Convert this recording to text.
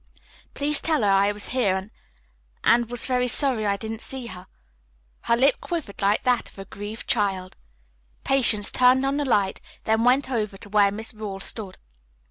"Please tell her I was here, and and was very sorry I didn't see her." Her lip quivered like that of a grieved child. Patience turned on the light, then went over to where Miss Rawle stood.